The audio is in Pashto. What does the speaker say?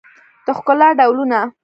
د ښکلا ډولونه